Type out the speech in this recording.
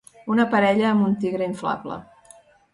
Una parella amb un tigre inflable.